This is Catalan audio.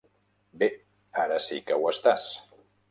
Bé, ara sí que ho estàs.